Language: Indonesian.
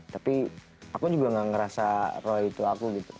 tapi aku juga gak ngerasa roy to aku gitu